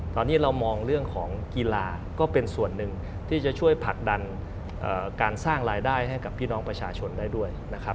ตอนนี้เรามองเรื่องของกีฬาก็เป็นส่วนหนึ่งที่จะช่วยผลักดันการสร้างรายได้ให้กับพี่น้องประชาชนได้ด้วยนะครับ